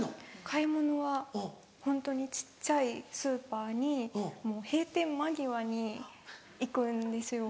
買い物はホントに小っちゃいスーパーに閉店間際に行くんですよ。